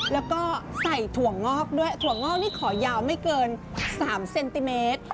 แล้วก็ใส่ถั่วงอกด้วยถั่วงอกนี่ขอยาวไม่เกิน๓เซนติเมตร